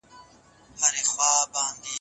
الله تعالی ته د تنبيه کولو معيارونه هم معلوم دي.